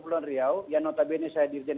kepulauan riau yang notabene saya dirjen